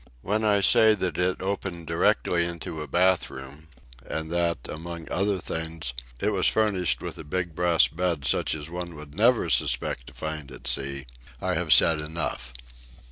When I say that it opened directly into a bath room, and that, among other things, it was furnished with a big brass bed such as one would never suspect to find at sea, I have said enough.